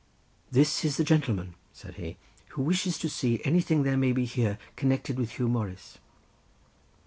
"This is the gentleman," said he, "who wishes to see anything there may be here connected with Huw Morris."